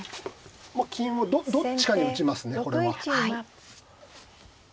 金をどっちかに打ちますねこれは。